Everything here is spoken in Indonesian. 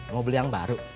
mau beli yang baru